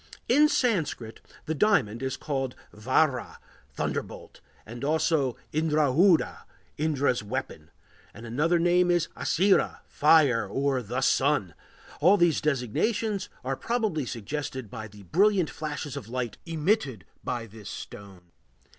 In Sanskrit the diamond is called vajra, "thunderbolt," and also indrâjudha, "Indra's weapon"; another name is açira, "fire," or "the Sun." All these designations are probably suggested by the brilliant flashes of light emitted by this stone.